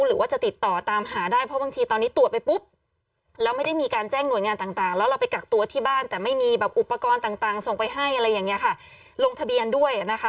หรือว่าจะติดต่อตามหาได้เพราะบางทีตอนนี้ตรวจ